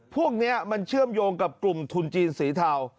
พวกนี้มันเชื่อมโยงกับกลุ่มทุนจีนสีเทา